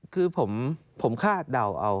คือผมคาดเดาเอา